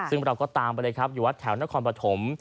ซึ่งเราก็ตามไปเลยครับอยู่วัดแถวนครปฐม